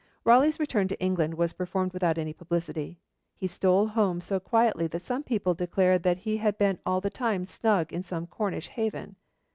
Raleigh's return to England was performed without any publicity. He stole home so quietly that some people declared that he had been all the time snug in some Cornish haven.